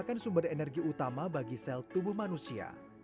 gula terdapat dari tubuh manusia